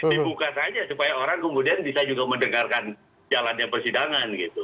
dibuka saja supaya orang kemudian bisa mendengarkan jalannya persidangan